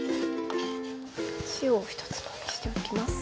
塩を１つまみしておきます。